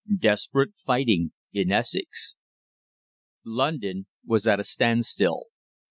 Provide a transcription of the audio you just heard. DESPERATE FIGHTING IN ESSEX. London was at a standstill.